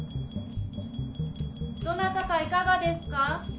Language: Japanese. どなたかいかがですか？